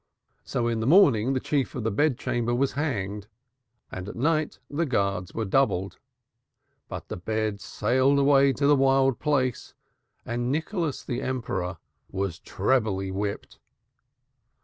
So in the morning the chief of the bed chamber was hanged and at night the guards were doubled. But the bed sailed away to the wild place and Nicholas the Emperor was trebly whipped.